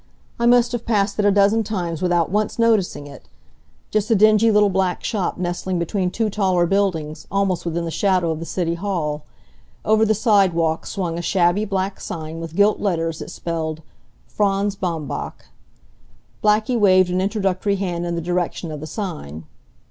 I must have passed it a dozen times without once noticing it just a dingy little black shop nestling between two taller buildings, almost within the shadow of the city hall. Over the sidewalk swung a shabby black sign with gilt letters that spelled, "Franz Baumbach." Blackie waved an introductory hand in the direction of the sign.